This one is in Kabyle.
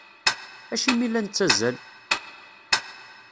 Acimi i la nettazzal?